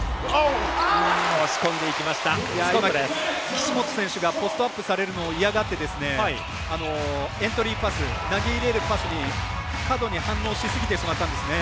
岸本選手がポストアップされるのを嫌がって、エントリーパス投げ入れるパスに過度に反応しすぎてしまったんですね。